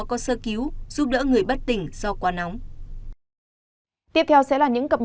có nơi trên ba mươi tám độ